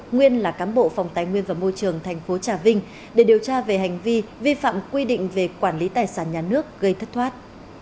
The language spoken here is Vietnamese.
nguyên là cán bộ phòng tài nguyên và môi trường tp trà vinh để điều tra về hành vi vi phạm quy định về quản lý tài sản nhà nước gây thất thoát